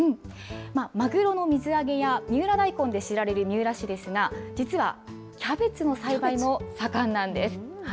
マグロの水揚げや三浦大根で知られる三浦市ですが、実はキャベツの栽培も盛んなんです。